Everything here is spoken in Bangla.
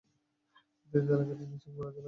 তিনি তালিকাটি নিয়ে চোখ বুলাতে লাগলেন।